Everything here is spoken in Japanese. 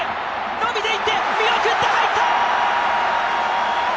伸びていって見送った、入った！